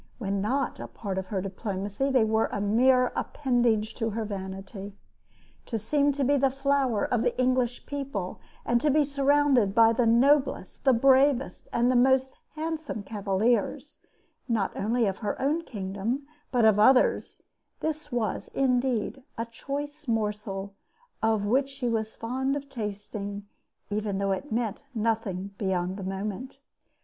When not a part of her diplomacy they were a mere appendage to her vanity. To seem to be the flower of the English people, and to be surrounded by the noblest, the bravest, and the most handsome cavaliers, not only of her own kingdom, but of others this was, indeed, a choice morsel of which she was fond of tasting, even though it meant nothing beyond the moment.